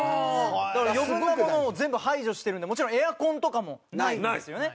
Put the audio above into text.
余分なものを全部排除してるのでもちろんエアコンとかもないんですよね。